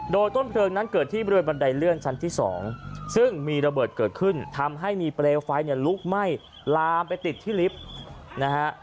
โดยต้นเพลิงนั้นเกิดที่บริเวณบันไดเลื่อนชั้นที่๒ซึ่งมีระเบิดเกิดขึ้นทำให้มีเปลวไฟเนี่ยลุกไหม้ลามไปติดที่ลิฟต์นะฮะ